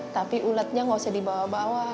tapi ulatnya gak usah dibawa bawa